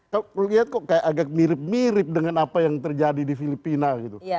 kalau lihat kok kayak agak mirip mirip dengan apa yang terjadi di filipina gitu